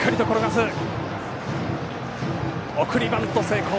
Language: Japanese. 送りバント成功。